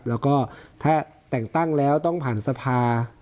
แล้วก็ถ้าแต่งตั้งแล้วต้องผ่านสภา